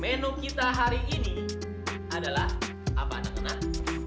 menu kita hari ini adalah apa anak anak